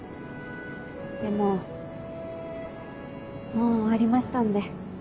でももう終わりましたんで。